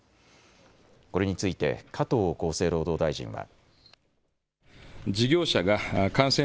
これについて加藤厚生労働大臣は。